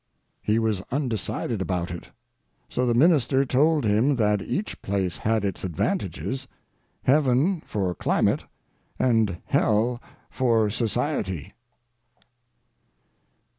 He was undecided about it. So the minister told him that each place had its advantages—heaven for climate, and hell for society.